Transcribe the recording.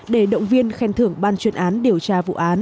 để động viên khen thưởng ban chuyên án điều tra